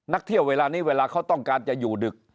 เที่ยวเวลานี้เวลาเขาต้องการจะอยู่ดึก